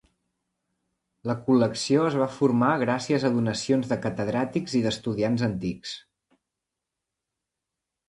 La col·lecció es va formar gràcies a donacions de catedràtics i d'estudiants antics.